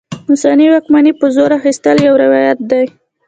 اوسنۍ واکمنۍ په زور اخیستل یو روایت دی.